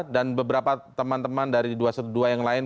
dan beberapa teman teman dari dua dua yang lain